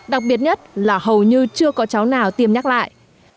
đặc biệt nhất là hầu như chưa có cháu nào tiêm nhắc lại